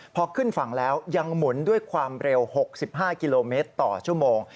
พอขึ้นฝั่งแล้วยังหมุนด้วยความเร็ว๖๕กิโลเมตรต่อชั่วโมง